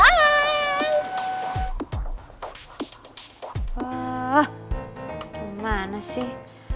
wah gimana sih